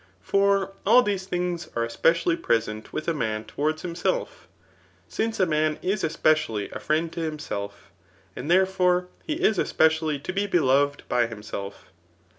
For all these things are especially present with a maa towards himself j since a man is especially a friend to himself; and therefore he is especially to be beloved by himself.